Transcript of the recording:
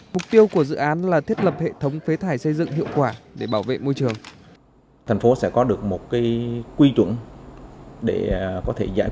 mục tiêu của dự án là thiết lập hệ thống phế thải xây dựng hiệu quả để bảo vệ môi trường